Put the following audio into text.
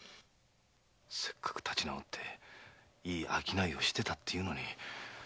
せっかく立ち直っていい商いをしてたっていうのに。